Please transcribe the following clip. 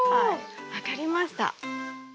分かりました。